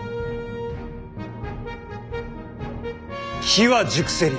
機は熟せり。